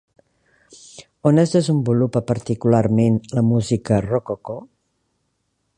On es desenvolupa particularment la música rococó?